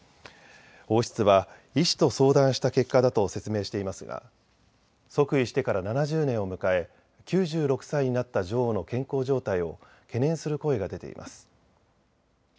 王室は医師と相談した結果だと説明していますが即位してから７０年を迎え９６歳になった女王の健康状態を懸念する声が出ています。